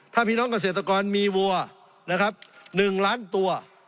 ถ้าพี่น้องเกษตรกรมีวัวนะครับ๑ล้านตัว